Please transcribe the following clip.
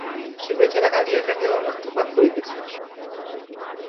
সে বেচারা কাঁদিয়া কাটিয়া অনর্থপাত করিতেছে।